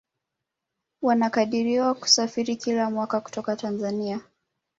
Wanakadiriwa kusafiri kila mwaka kutoka Tanzania